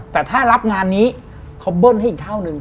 แต่ถ้ารับงานนี้เขาเบิ้ลให้อีกเท่านึง